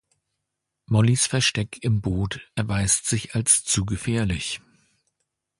Mollys Versteck im Boot erweist sich als zu gefährlich.